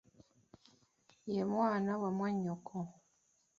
Ye mwana wa mwannyoko.